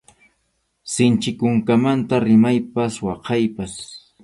Sinchi kunkamanta rimaypas waqaypas.